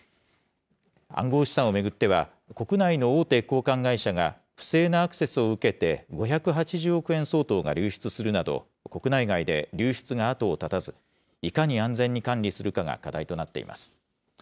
暗号資産を巡っては、国内の大手交換会社が不正なアクセスを受けて、５８０億円相当が流出するなど、国内外で流出が後を絶たず、いかに安全に管理するかが課題となっています。